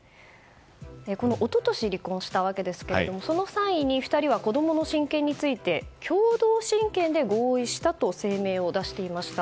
一昨年離婚したわけですがその際に２人は子供の親権について共同親権で合意したと声明を出していました。